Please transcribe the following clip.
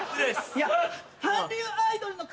いや。